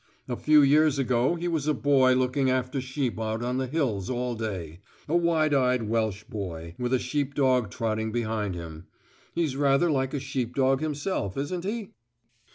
A few years ago he was a boy looking after sheep out on the hills all day; a wide eyed Welsh boy, with a sheepdog trotting behind him. He's rather like a sheepdog himself, isn't he?"